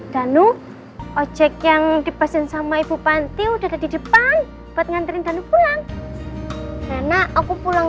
danu ojek yang dipasang sama ibu panti udah di depan buat nganterin dan pulang karena aku pulang